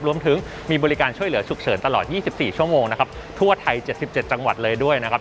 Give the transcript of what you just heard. รวมถึงมีบริการช่วยเหลือฉุกเฉินตลอด๒๔ชั่วโมงนะครับทั่วไทย๗๗จังหวัดเลยด้วยนะครับ